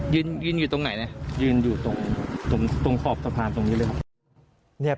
ยืนยืนอยู่ตรงไหนนะยืนอยู่ตรงตรงขอบสะพานตรงนี้เลยครับ